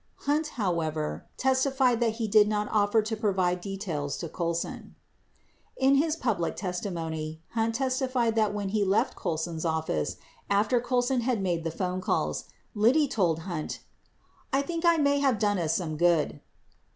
Hunt, however, testified that he did not offer to provide details to Colson. 83 In his public testimony, Hunt testified that when they left Colson's office, after Colson had made the phone calls, Liddy told Hunt, "I think I may have done us some good."